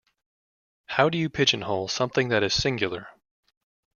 How do you pigeonhole something that is singular?